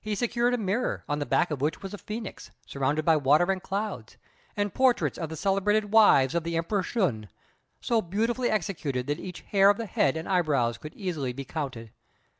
He secured a mirror, on the back of which was a phœnix, surrounded by water and clouds, and portraits of the celebrated wives of the Emperor Shun, so beautifully executed that each hair of the head and eyebrows could easily be counted.